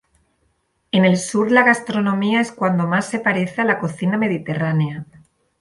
En el sur la gastronomía es cuando más se parece a la cocina mediterránea.